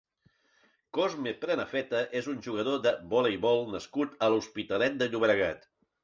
Cosme Prenafeta és un jugador de voleibol nascut a l'Hospitalet de Llobregat.